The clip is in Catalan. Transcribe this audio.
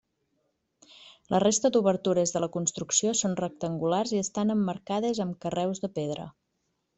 La resta d'obertures de la construcció són rectangulars i estan emmarcades amb carreus de pedra.